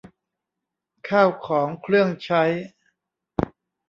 ข้าวของเครื่องใช้